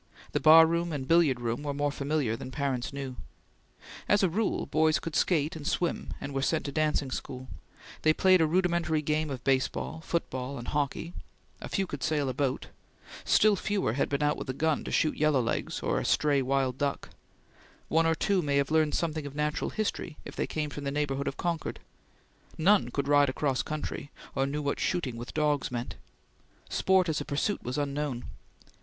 The bar room and billiard room were more familiar than parents knew. As a rule boys could skate and swim and were sent to dancing school; they played a rudimentary game of baseball, football, and hockey; a few could sail a boat; still fewer had been out with a gun to shoot yellow legs or a stray wild duck; one or two may have learned something of natural history if they came from the neighborhood of Concord; none could ride across country, or knew what shooting with dogs meant. Sport as a pursuit was unknown.